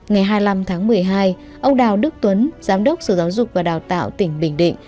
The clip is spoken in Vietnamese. ngày hai mươi năm tháng một mươi hai ông đào đức tuấn giám đốc sở giáo dục và đào tạo tỉnh bình định